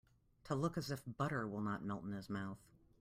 To look as if butter will not melt in his mouth.